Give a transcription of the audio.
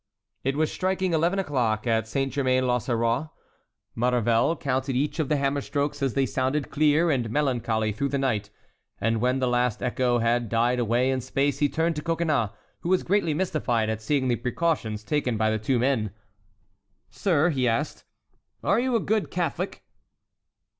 It was striking eleven o'clock at Saint Germain l'Auxerrois. Maurevel counted each of the hammer strokes as they sounded clear and melancholy through the night, and when the last echo had died away in space he turned to Coconnas, who was greatly mystified at seeing the precautions taken by the two men. "Sir," he asked, "are you a good Catholic?"